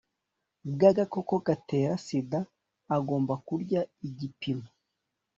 bw'agakoko gatera sida agomba kurya igipimo